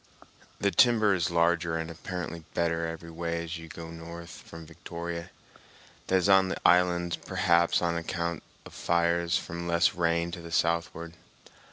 The timber is larger and apparently better every way as you go north from Victoria, that is on the islands, perhaps on account of fires from less rain to the southward.